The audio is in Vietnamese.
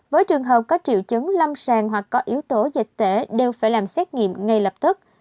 với trường hợp có triệu chứng lâm sàng hoặc có yếu tố dịch tễ đều phải làm xét nghiệm ngay lập tức